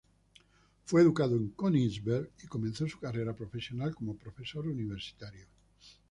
Fue educado en Königsberg y comenzó su carrera profesional como profesor universitario.